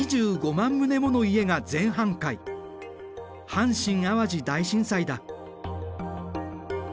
阪神・淡路大震災だ。